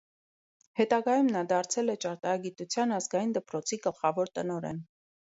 Հետագայում նա դարձել է ճարտարագիտության ազգային դպրոցի գլխավոր տնօրեն։